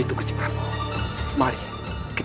ayo kita keluar dari sini